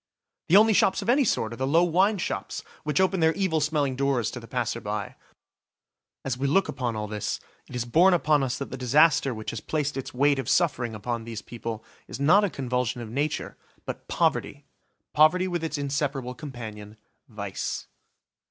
The only shops of any sort are the low wine shops which open their evil smelling doors to the passer by. As we look upon all this, it is borne upon us that the disaster which has placed its weight of suffering upon these people is not a convulsion of nature, but poverty–poverty with its inseparable companion, vice.